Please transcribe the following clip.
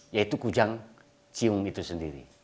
yaitu kujang cium itu sendiri